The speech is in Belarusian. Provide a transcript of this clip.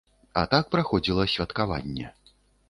А так праходзіла святкаванне.